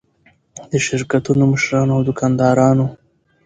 د شرکتونو مشرانو او دوکاندارانو.